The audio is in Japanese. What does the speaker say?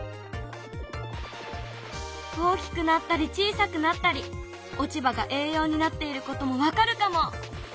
大きくなったり小さくなったり落ち葉が栄養になっていることも分かるかも！